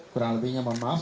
kurang lebihnya memaaf